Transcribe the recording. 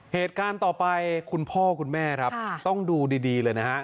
เหตุการณ์ต่อไปคุณพ่อคุณแม่ครับต้องดูดีเลยนะฮะ